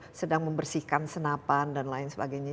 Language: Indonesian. yang sedang membersihkan senapan dan lain sebagainya